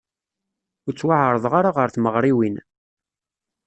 Ur ttwaεerḍeɣ ara ɣer tmeɣriwin.